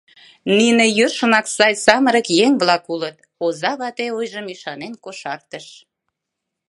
Нине йӧршынак сай самырык еҥ-влак улыт, оза вате ойжым ӱшанен кошартыш.